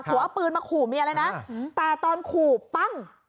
เอาปืนมาขู่เมียเลยนะแต่ตอนขู่ปั้ง